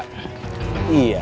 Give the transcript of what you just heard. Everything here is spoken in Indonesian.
puasa itu jangan jadi nalasan